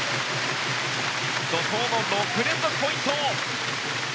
怒涛の６連続ポイント！